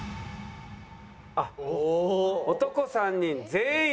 あっ男３人全員。